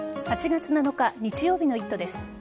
８月７日日曜日の「イット！」です。